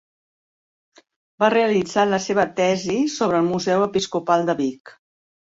Va realitzar la seva tesi sobre el Museu Episcopal de Vic.